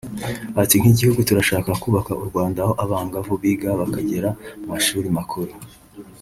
Ati “Nk’igihugu turashaka kubaka u Rwanda aho abangavu biga bakagera mu mashuri makuru